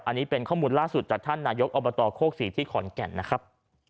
อันนี้เป็นข้อมูลล่าสุดจากท่านนายกอบตโคกศรีที่ขอนแก่นนะครับ